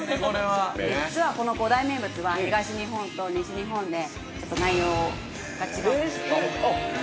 ◆実は、この五大名物は東日本と西日本でちょっと内容が違うんです。